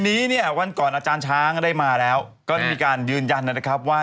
วันนี้เนี่ยวันก่อนอาจารย์ช้างได้มาแล้วก็ได้มีการยืนยันนะครับว่า